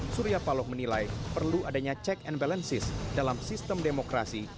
surya paloh menilai perlu adanya check and balances dalam sistem demokrasi